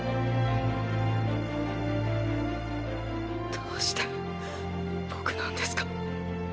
どうして僕なんですか？